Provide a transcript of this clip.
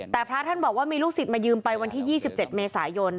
แต่พระท่านบอกว่ามีลูกศิษย์มายืมไปวันที่๒๗เมษายน